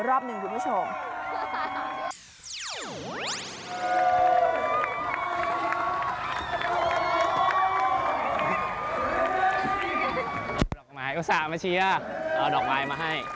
โอเคแหลงเหรอครับอ๋อแหลงเหรอครับ